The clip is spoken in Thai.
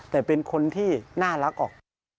แต่เป็นคนที่น่ารักออก